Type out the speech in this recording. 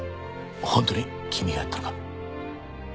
本当に君がやったのか？